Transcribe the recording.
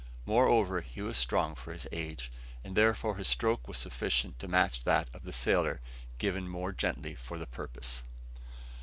Moreover, he was strong for his age, and therefore his stroke was sufficient to match that of the sailor, given more gently for the purpose.